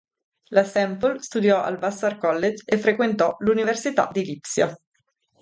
La Semple studiò al Vassar College e frequentò l'Università di Lipsia.